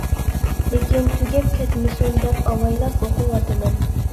لېكىن تۈگەپ كەتمىسۇن دەپ ئاۋايلاپ ئوقۇۋاتىمەن.